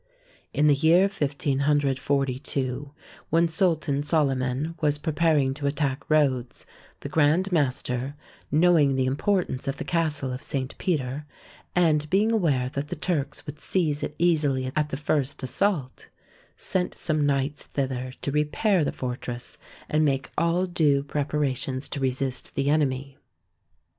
In the year 1542, when Sultan Solyman was pre paring to attack Rhodes, the Grand Master, knowing the importance of the castle of St. Peter, and being aware that the Turks would seize it easily at the first assault, sent some knights thither to repair the for tress and make all due preparations to resist the enemy.